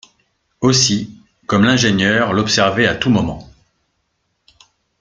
Aussi, comme l’ingénieur l’observait à tous moments!